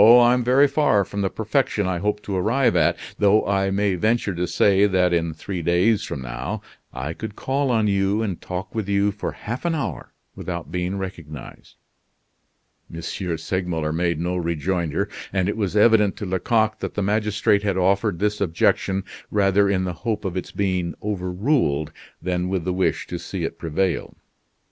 I'm very far from the perfection I hope to arrive at; though I may venture to say that in three days from now I could call on you and talk with you for half an hour without being recognized." M. Segmuller made no rejoinder; and it was evident to Lecoq that the magistrate had offered this objection rather in the hope of its being overruled, than with the wish to see it prevail.